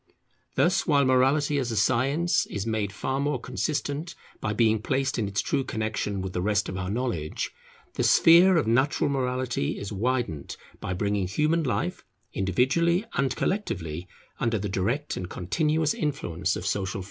Thus, while Morality as a science is made far more consistent by being placed in its true connexion with the rest of our knowledge, the sphere of natural morality is widened by bringing human life, individually and collectively, under the direct and continuous influence of Social Feeling.